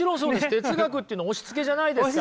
哲学っていうのは押しつけじゃないですから。